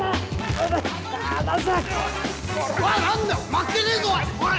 負けねえぞおい！